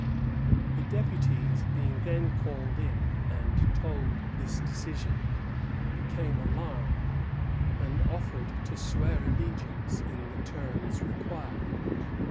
The deputies, being then called in and told this decision, became alarmed, and offered to swear allegiance in the terms required.